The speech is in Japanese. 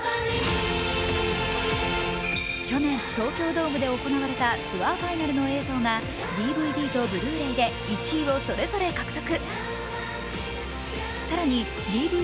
去年東京ドームで行われたツアーファイナルの映像がＤＶＤとブルーレイで１位をそれぞれ獲得。